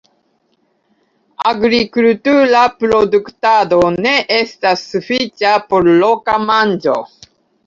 Agrikultura produktado ne estas sufiĉa por loka manĝo.